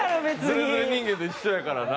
ズレズレ人間と一緒やからな。